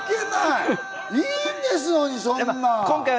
いいですのに、そんなの。